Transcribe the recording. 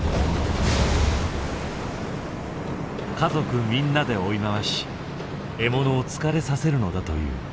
家族みんなで追い回し獲物を疲れさせるのだという。